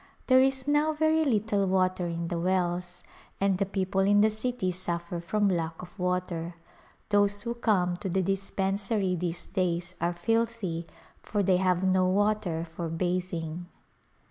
There is now very little water in the wells and the people in the city suffer from lack of water ; those who come to the dispensary these days are filthy for they have no water for bathing.